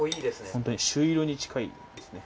ホントに朱色に近いですね。